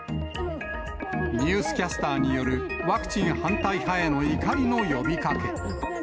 ニュースキャスターによるワクチン反対派への怒りの呼びかけ。